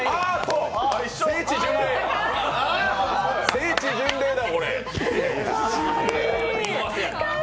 聖地巡礼だ、これ。